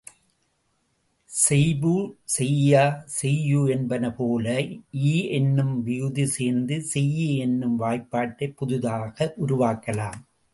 செய்பு, செய்யா, செய்யூ என்பன போல, இ என்னும் விகுதி சேர்த்து செய்யி என்னும் வாய்ப்பாட்டைப் புதிதாக உருவாக்கலாம்.